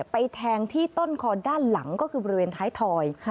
แทงที่ต้นคอด้านหลังก็คือบริเวณท้ายถอย